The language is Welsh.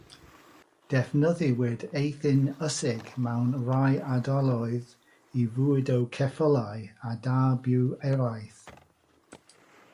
Defnyddiwyd eithin ysig mewn rhai ardaloedd i fwydo ceffylau a da byw eraill.